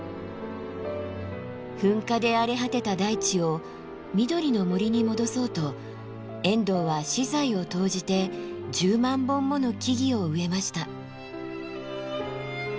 噴火で荒れ果てた大地を緑の森に戻そうと遠藤は私財を投じて１０万本もの木々を植えました。